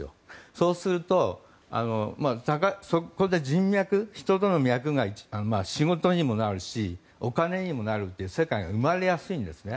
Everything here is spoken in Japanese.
そうするとそこで人脈、人との脈が仕事にもなるしお金にもなるという世界が生まれやすいんですね。